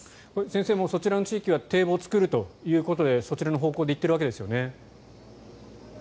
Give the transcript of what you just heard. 先生もそちらの地域は堤防を作るということでそちらの方向で行っているわけですよね。